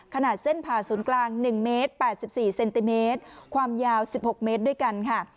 ขนาดเส้นผ่าศูนย์กลางหนึ่งเมตรแปดสิบสี่เซนติเมตรความยาวสิบหกเมตรด้วยกันค่ะ